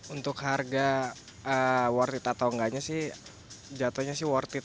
untuk harga worth it atau enggaknya sih jatuhnya sih worth it